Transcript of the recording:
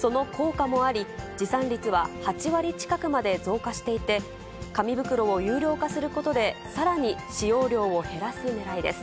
その効果もあり、持参率は８割近くまで増加していて、紙袋を有料化することで、さらに使用量を減らすねらいです。